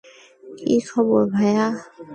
কী খবর, ভায়া?